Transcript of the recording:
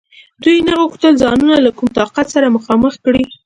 دوی نه غوښتل ځانونه له کوم طاقت سره مخامخ کړي.